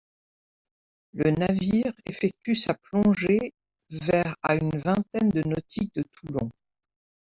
Le navire effectue sa plongée vers à une vingtaine de nautiques de Toulon.